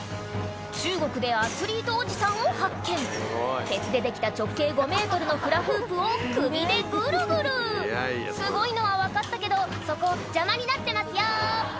中国でアスリートおじさんを発見鉄でできた直径５ｍのフラフープを首でグルグルすごいのは分かったけどそこ邪魔になってますよ